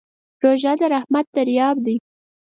روژه د رحمت دریاب دی.